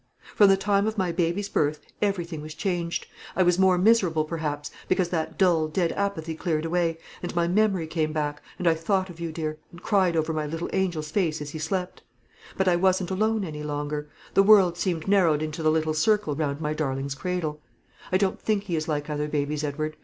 "From the time of my baby's birth everything was changed. I was more miserable, perhaps, because that dull, dead apathy cleared away, and my memory came back, and I thought of you, dear, and cried over my little angel's face as he slept. But I wasn't alone any longer. The world seemed narrowed into the little circle round my darling's cradle. I don't think he is like other babies, Edward.